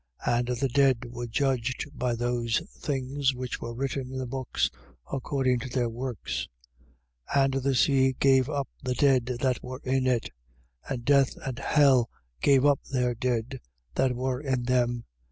And the dead were judged by those things which were written in the books, according to their works. 20:13. And the sea gave up the dead that were in it: and death and hell gave up their dead that were in them.